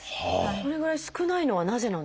それぐらい少ないのはなぜなんですか？